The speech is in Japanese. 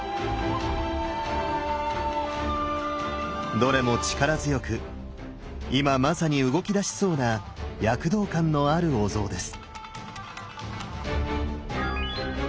どれも力強く今まさに動きだしそうな躍動感のあるお像です。